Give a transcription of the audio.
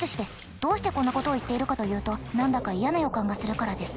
どうしてこんなことを言っているかというと何だか嫌な予感がするからです。